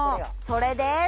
それです。